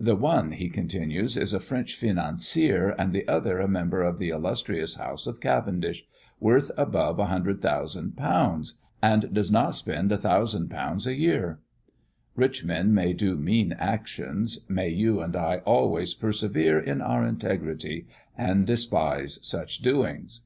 "The one," he continues, "is a French financier, and the other a member of the illustrious house of Cavendish, worth above 100,000_l._ (1,000,000_l._) and does not spend 1000_l._ a year. Rich men may do mean actions; may you and I always persevere in our integrity, and despise such doings."